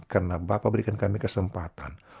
karena bapak berikan kami kesempatan